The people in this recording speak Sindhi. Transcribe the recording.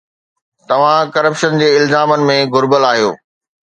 توهان ڪرپشن جي الزامن ۾ گھريل آهيو.